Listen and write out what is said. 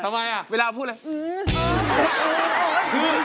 ทำไมล่ะเวลาพูดแหละอื้อ